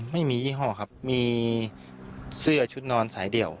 ไม่มียี่ห้อครับมีเสื้อชุดนอนสายเดี่ยว